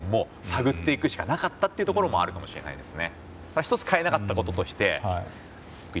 そういうところを僕自身も探っていくしかなかったというところもあるかもしれないですね。